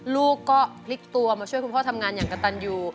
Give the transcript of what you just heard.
ลูกก็พลิกตัวมาช่วยคุณพ่อทำงานอย่างกระตันอยู่